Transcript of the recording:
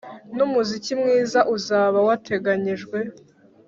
n’umuziki mwiza uzaba wateganyijwe